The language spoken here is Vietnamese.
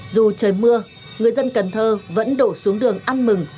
dù trời mưa người dân cần thơ vẫn đổ xuống đường ăn mừng